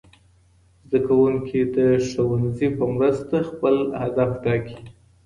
زدهکوونکي د ښوونځي په مرسته خپل هدف ټاکي.